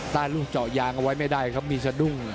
ลูกเจาะยางเอาไว้ไม่ได้ครับมีสะดุ้ง